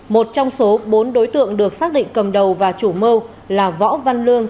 một trong số bốn đối tượng được xác định cầm đầu và chủ mưu là võ văn lương